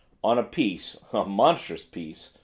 on a piece a monstrous piece!